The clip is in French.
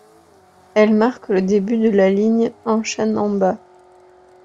Elle marque le début de la ligne Hanshin Namba.